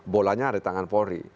bolanya ada di tangan polri